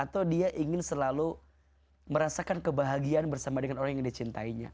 atau dia ingin selalu merasakan kebahagiaan bersama dengan orang yang dicintainya